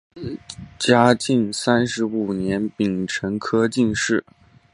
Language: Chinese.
嘉靖三十五年丙辰科进士。